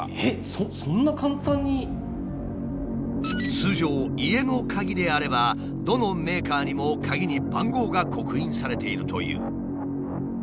通常家の鍵であればどのメーカーにも鍵に番号が刻印されているという。